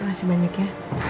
makasih banyak ya